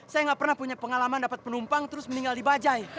saya nggak pernah punya pengalaman dapat penumpang terus meninggal di bajai